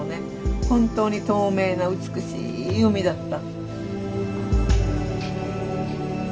本当に透明な美しい海だった。